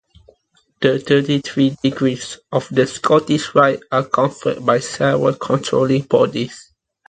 The thirty-three degrees of the Scottish Rite are conferred by several controlling bodies.